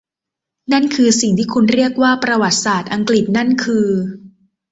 นั่นคือสิ่งที่คุณเรียกว่าประวัติศาสตร์อังกฤษนั่นคือ